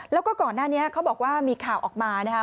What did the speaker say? แล้วก็ก่อนหน้านี้เขาบอกว่ามีข่าวออกมานะคะ